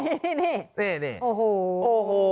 นี่นี่โอ้โห